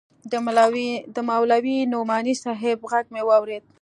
د مولوي نعماني صاحب ږغ مې واورېد.